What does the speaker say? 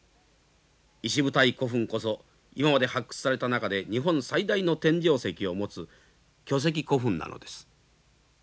石舞台古墳こそ今まで発掘された中で日本最大の天井石を持つ巨石古墳なのです。